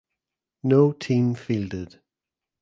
No team fielded.